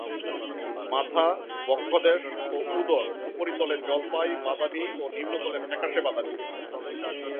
মাথা, বক্ষদেশ ও উদর উপরিতলে জলপাই- বাদামি ও নিম্নতলে ফ্যাকাশে বাদামি।